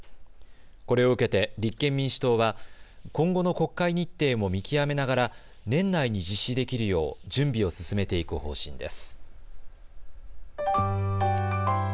これを受けて立憲民主党は今後の国会日程も見極めながら年内に実施できるよう準備を進めていく方針です。